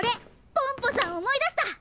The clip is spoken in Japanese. ポンポさんおもいだした！